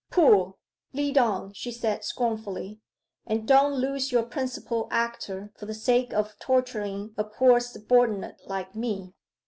'Pooh lead on,' she said scornfully, 'and don't lose your principal actor for the sake of torturing a poor subordinate like me.